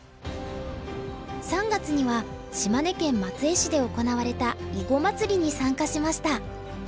３月には島根県松江市で行われた囲碁まつりに参加しました。